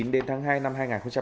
đến tháng hai năm hai nghìn hai mươi